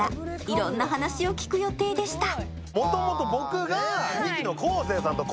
いろんな話を聞く予定でした。